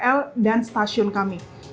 kepada krl dan stasiun kami